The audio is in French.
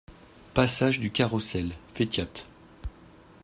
Passage du Caroussel, Feytiat